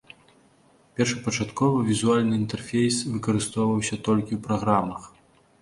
Першапачаткова візуальны інтэрфейс выкарыстоўваўся толькі ў праграмах.